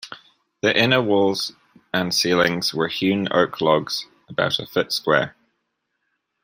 The inner walls and ceilings were hewn oak logs, about a foot square.